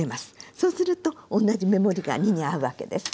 そうすると同じ目盛りが２に合うわけです。